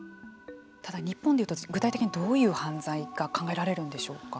ただ、日本でいうと具体的に、どういう犯罪が考えられるんでしょうか。